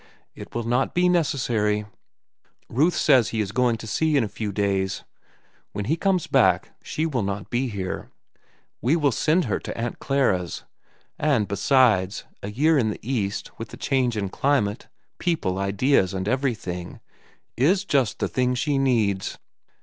"It will not be necessary. Ruth says he is going to sea in a few days. When he comes back, she will not be here. We will send her to Aunt Clara's. And, besides, a year in the East, with the change in climate, people, ideas, and everything, is just the thing she needs."